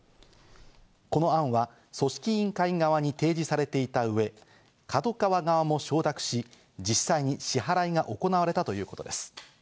この案は組織委員会側に提示されていた上、ＫＡＤＯＫＡＷＡ側も承諾し、実際に支払いが行われたということです。